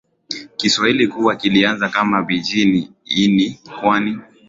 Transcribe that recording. Kiswahili kuwa kilianza kama Pigini ini kwani